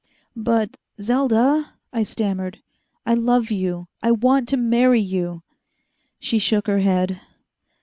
"But Selda!" I stammered, "I love you I want to marry you." She shook her head.